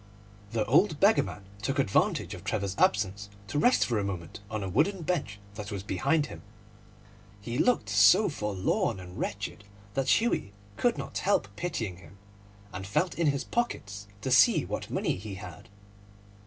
The old beggar man took advantage of Trevor's absence to rest for a moment on a wooden bench that was behind him. He looked so forlorn and wretched that Hughie could not help pitying him, and felt in his pockets to see what money he had.